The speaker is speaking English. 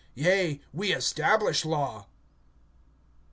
Yea, we establish law.